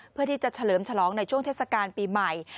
เพื่อที่จะเฉลิมฉลองในช่วงเทศกาลปีใหม่